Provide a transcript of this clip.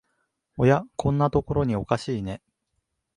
おや、こんなとこにおかしいね